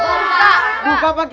buka dong buka dong